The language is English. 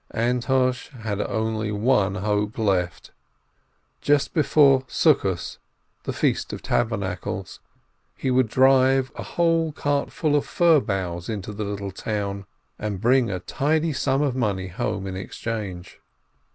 Antosh had only one hope left. Just before the Feast of Tabernacles he would drive a whole cart load of fir boughs into the little town and bring a tidy sum of money home in exchange.